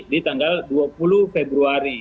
di tanggal dua puluh februari